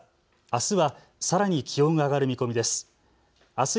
あすはさらに気温が上がる見込みです。